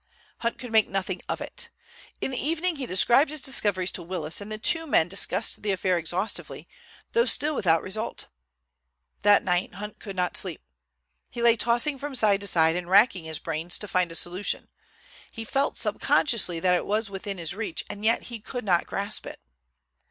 Hunt could make nothing of it. In the evening he described his discoveries to Willis, and the two men discussed the affair exhaustively, though still without result. That night Hunt could not sleep. He lay tossing from side to side and racking his brains to find a solution. He felt subconsciously that it was within his reach, and yet he could not grasp it.